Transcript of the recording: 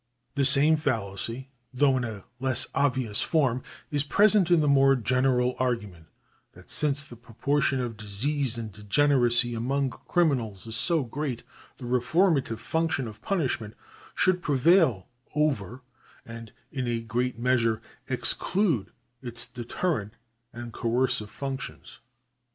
The same fallacy, though in a less obvious form, is present in the more general argument that, since the proportion of disease and degeneracy among criminals is so great, the reformative function of punishment should prevail over, and in a great measure exclude, its deterrent and coercive functions.